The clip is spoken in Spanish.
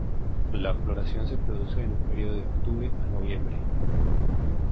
La floración se produce en un período de octubre a noviembre.